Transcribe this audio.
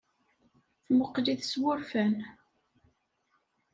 Temmuqqel-it s wurfan.